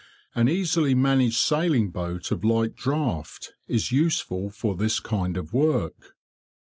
An easily managed sailing boat of light draught is useful for this kind of work.